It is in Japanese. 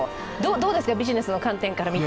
どうですか、ビジネスの観点から見て。